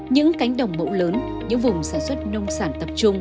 những cánh đồng mẫu lớn những vùng sản xuất nông sản tập trung